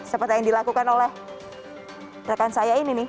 seperti yang dilakukan oleh rekan saya ini nih